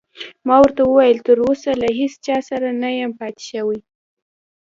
ما ورته وویل: تراوسه له هیڅ چا سره نه یم پاتې شوی.